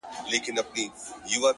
د توري شپې سره خوبونه هېرولاى نه ســم;